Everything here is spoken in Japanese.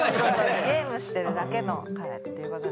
ゲームしてるだけの彼っていうことで。